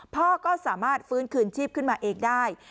พ่อก็สามารถฟื้นคืนชีพขึ้นมาเองได้